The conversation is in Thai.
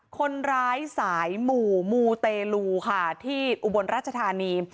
คนร้ายสายหมู่มูเตลูค่ะที่อุบลราชธานี